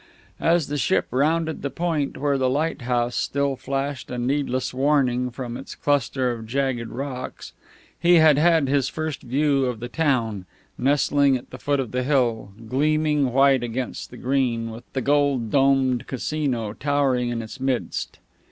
As the ship rounded the point where the lighthouse still flashed a needless warning from its cluster of jagged rocks, he had had his first view of the town, nestling at the foot of the hill, gleaming white against the green, with the gold domed Casino towering in its midst.